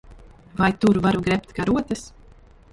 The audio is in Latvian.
Vai tur varu grebt karotes?